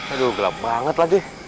aduh gelap banget lagi